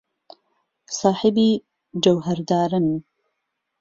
ساحێبی جەوهەردارن.